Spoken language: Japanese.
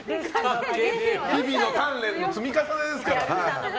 日々の鍛錬の積み重ねですから。